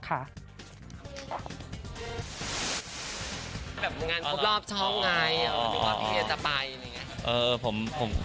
งานครบรอบช้องไงว่าพี่เวียจะไป